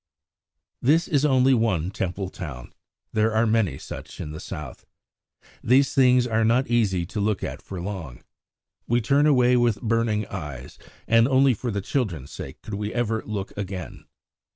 This is only one Temple town. There are many such in the South. These things are not easy to look at for long. We turn away with burning eyes, and only for the children's sake could we ever look again.